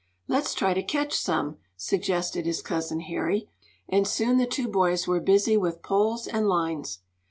"Let's try to catch some," suggested his cousin Harry, and soon the two boys were busy with poles and lines.